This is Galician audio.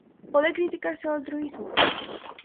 Pode criticarse o altruísmo?